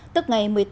tức ngày một mươi tám